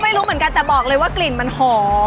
ไม่รู้เหมือนกันแต่บอกเลยว่ากลิ่นมันหอม